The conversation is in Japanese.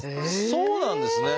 そうなんですね！